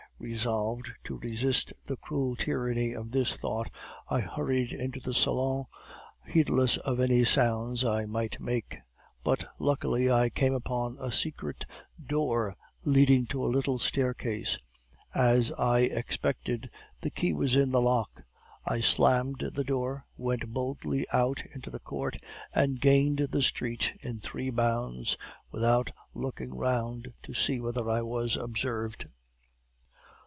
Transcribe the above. Resolved to resist the cruel tyranny of this thought, I hurried into the salon, heedless of any sounds I might make; but, luckily, I came upon a secret door leading to a little staircase. As I expected, the key was in the lock; I slammed the door, went boldly out into the court, and gained the street in three bounds, without looking round to see whether I was observed.